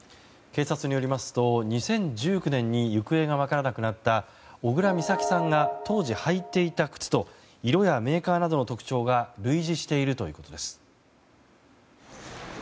警察によりますと２０１９年に行方が分からなくなった小倉美咲さんが当時、履いていた靴と色やメーカーなどの特徴が類似しているということです。